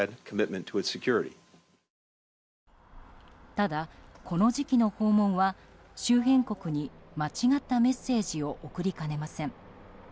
ただ、この時期の訪問は周辺国に間違ったメッセージを送りかねません。